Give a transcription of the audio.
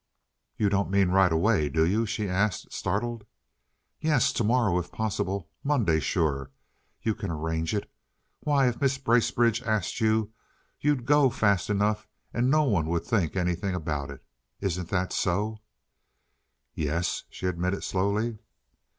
"You don't mean right away, do you?" she asked, startled. "Yes, to morrow if possible. Monday sure. You can arrange it. Why, if Mrs. Bracebridge asked you you'd go fast enough, and no one would think anything about it. Isn't that so?" "Yes," she admitted slowly.